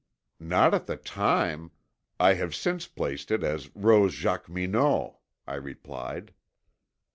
"Not at the time. I have since placed it as Rose Jacqueminot," I replied.